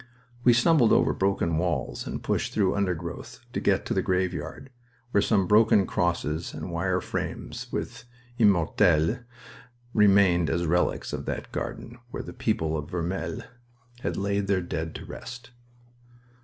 We stumbled over broken walls and pushed through undergrowth to get to the graveyard, where some broken crosses and wire frames with immortelles remained as relics of that garden where the people of Vermelles had laid their dead to rest.